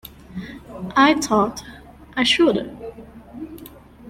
I thought I should.